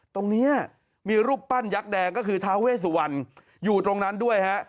ตรงนี้มีรูปปั้นยักษ์แดงก็คือทาเวสุวรรณอยู่ตรงนั้นด้วยฮะ